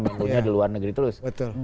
maksudnya di luar negeri terus betul